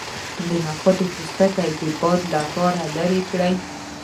د نخود پوستکی د باد لپاره لرې کړئ